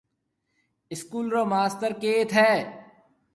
اسڪول رو ماستر ڪيٿ هيَ۔